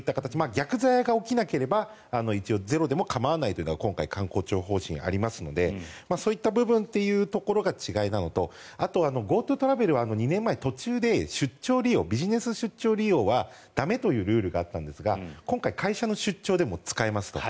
逆ザヤが起きなければ一応ゼロでも構わないというのが今回、観光庁の方針であるのでそういった部分というところが違いなのとあとはＧｏＴｏトラベルは途中でビジネスの出張利用は駄目というルールがあったんですが今回会社の出張でも使えますと。